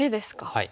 はい。